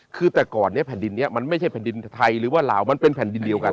คือแต่ก่อนเนี่ยแผ่นดินนี้มันไม่ใช่แผ่นดินไทยหรือว่าลาวมันเป็นแผ่นดินเดียวกัน